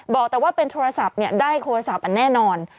บอกว่าเป็นโทรศัพท์ได้โทรศัพท์อันแน่นอน